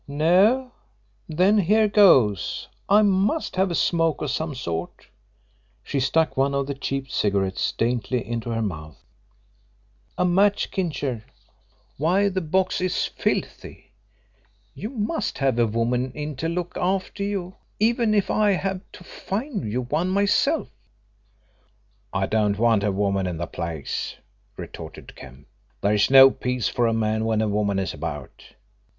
"No? Then here goes I must have a smoke of some sort." She stuck one of the cheap cigarettes daintily into her mouth. "A match, Kincher! Why, the box is filthy! You must have a woman in to look after you, even if I have to find you one myself." "I don't want any woman in the place," retorted Kemp. "There is no peace for a man when a woman is about.